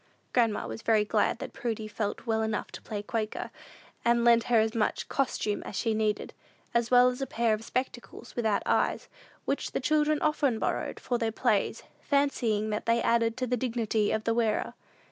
Grandma was very glad that Prudy felt well enough to play Quaker, and lent her as much "costume" as she needed, as well as a pair of spectacles without eyes, which the children often borrowed for their plays, fancying that they added to the dignity of the wearer.